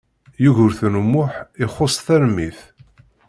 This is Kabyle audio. Yugurten U Muḥ ixuṣ tarmit.